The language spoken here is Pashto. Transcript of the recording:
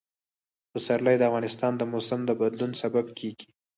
پسرلی د افغانستان د موسم د بدلون سبب کېږي.